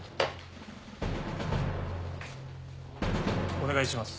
お願いします。